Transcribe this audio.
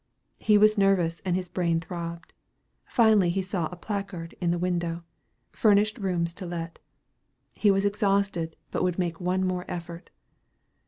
He was nervous and his brain throbbed. Finally he saw a placard in a window, "Furnished rooms to let." He was exhausted, but would make one more effort.